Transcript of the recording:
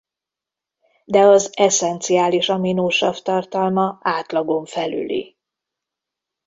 De az esszenciális aminosav tartalma átlagon felüli.